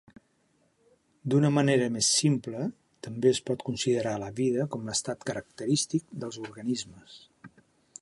D'una manera més simple, també es pot considerar la vida com l'estat característic dels organismes.